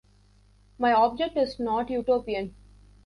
My object is not utopian.